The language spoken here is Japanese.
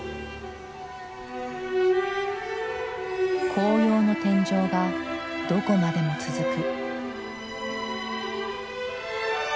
紅葉の天井がどこまでも続く。